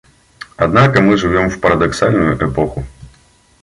Однако мы живем в парадоксальную эпоху.